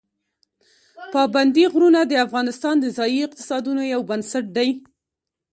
پابندي غرونه د افغانستان د ځایي اقتصادونو یو بنسټ دی.